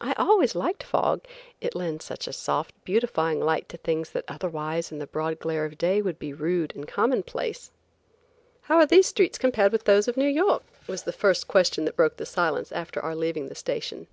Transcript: I always liked fog, it lends such a soft, beautifying light to things that otherwise in the broad glare of day would be rude and commonplace. "How are these streets compared with those of New York?" was the first question that broke the silence after our leaving the station.